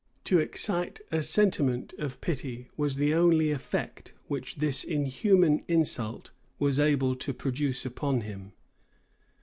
To excite a sentiment of pity was the only effect which this inhuman insult was able to produce upon him.